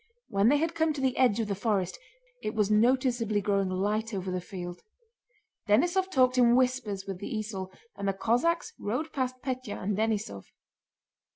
When they had come to the edge of the forest it was noticeably growing light over the field. Denísov talked in whispers with the esaul and the Cossacks rode past Pétya and Denísov.